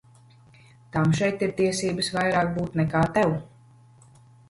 Tam šeit ir tiesības vairāk būt nekā tev.